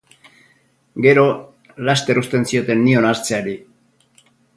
Gero, laster uzten zioten ni onartzeari.